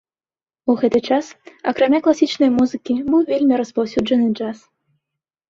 У гэты час акрамя класічнай музыкі быў вельмі распаўсюджаны джаз.